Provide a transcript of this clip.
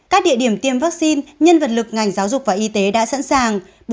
các địa điểm tiêm vaccine nhân vật lực ngành giáo dục và y tế đã sẵn sàng